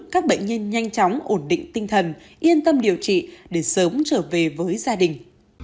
các bệnh nhân nhanh chóng ổn định tinh thần yên tâm điều trị để sớm trở về với gia đình